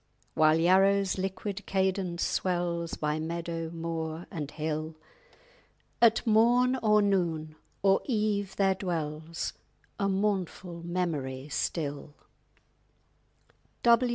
_ While Yarrow's liquid cadence swells By meadow, moor, and hill, At morn or noon or eve there dwells _A mournful memory still.